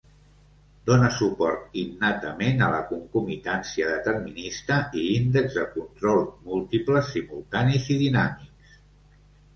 Dona suport innatament a la concomitància determinista i índexs de control múltiples, simultanis i dinàmics.